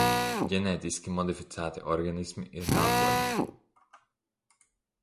Ģenētiski modificēti organismi ir nākotne.